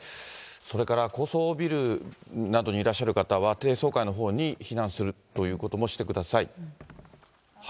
それから高層ビルなどにいらっしゃる方は、低層階のほうに避難するということもしてください。